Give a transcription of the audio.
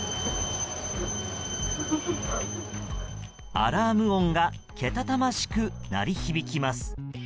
アラーム音がけたたましく鳴り響きます。